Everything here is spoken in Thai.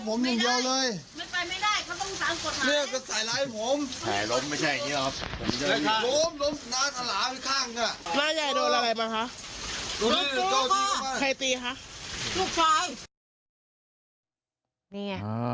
ใครตีฮะลูกชาย